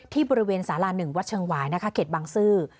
ที่บริเวณสารา๑วัดเชิงหวายนะคะเขตบางซื่อ